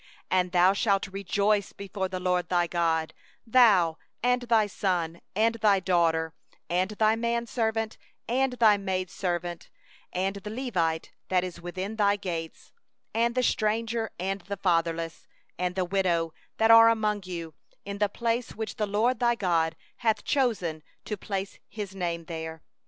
11And thou shalt rejoice before the LORD thy God, thou, and thy son, and thy daughter, and thy man servant, and thy maid servant, and the Levite that is within they gates, and the stranger, and the fatherless, and the widow, that are in the midst of thee, in the place which the LORD thy God shall choose to cause His name to dwell there.